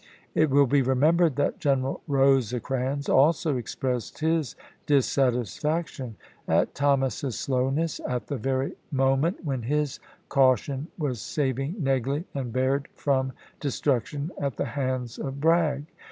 It will be remembered that Gen p/715." eral Rosecrans also expressed his dissatisfaction at Thomas's slowness, at the very moment when his caution was saving Negley and Baird from destruc tion at the hands of Bragg.